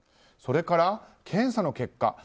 それから検査の結果